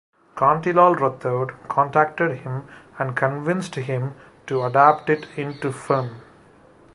Kantilal Rathod contacted him and convinced him to adapt it into film.